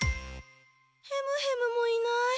ヘムヘムもいない！